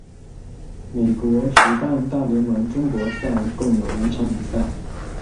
美国职棒大联盟中国赛共有两场比赛。